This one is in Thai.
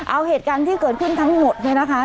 เอาเหตุการณ์ที่เกิดขึ้นทั้งหมดเนี่ยนะคะ